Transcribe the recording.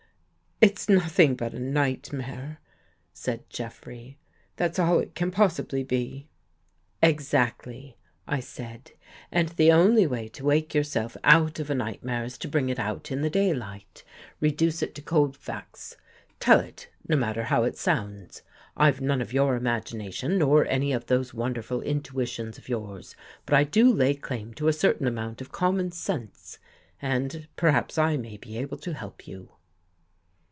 " It's nothing but a nightmare," said Jeffrey. " That's all it can possibly be." " Exactly," I said. " And the only way to wake yourself out of a nightmare, is to bring it out in the daylight. Reduce it to cold facts. Tell it, no matter how it sounds. I've none of your imagina tion, nor any of those wonderful intuitions of yours, but I do lay claim to a certain amount of common sense, and perhaps I may be able to help you."